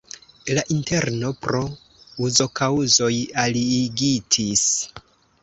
La interno pro uzokaŭzoj aliigitis.